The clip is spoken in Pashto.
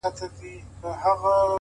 هره ستونزه د بدلون اړتیا ښيي؛